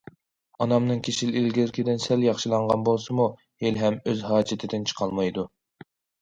ئانامنىڭ كېسىلى ئىلگىرىكىدىن سەل ياخشىلانغان بولسىمۇ، ھېلىھەم ئۆز ھاجىتىدىن چىقالمايدۇ.